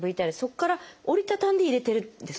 そこから折り畳んで入れてるんですか？